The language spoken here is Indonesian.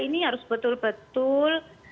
ini harus betul betul